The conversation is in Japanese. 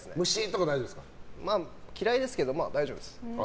嫌いですけどまあ、大丈夫です。